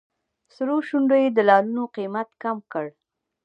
سرو شونډو یې د لعلونو قیمت کم کړ.